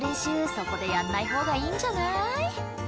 そこでやんない方がいいんじゃない？